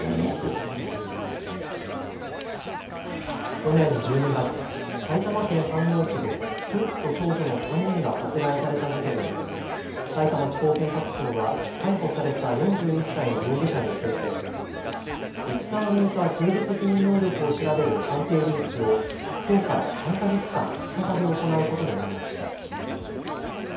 去年１２月、埼玉県飯能市で夫婦と長女の３人が殺害された事件でさいたま地方検察庁は逮捕された４１歳の容疑者についていったん終えた刑事責任能力を調べる鑑定留置をきょうから３か月間再び行うことになりました。